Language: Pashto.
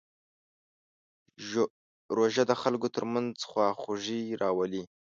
روژه د خلکو ترمنځ خواخوږي راولي.